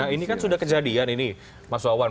ini kan sudah kejadian ini mas wawan